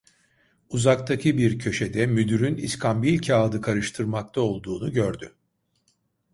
Uzaktaki bir köşede müdürün iskambil kâğıdı karıştırmakta olduğunu gördü.